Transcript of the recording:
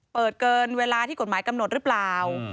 เกินเวลาที่กฎหมายกำหนดหรือเปล่า